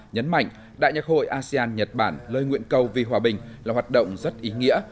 nhấn mạnh đại nhạc hội asean nhật bản lời nguyện cầu vì hòa bình là hoạt động rất ý nghĩa